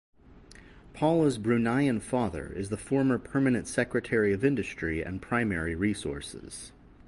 Paula's Bruneian father is the former Permanent Secretary of Industry and Primary Resources.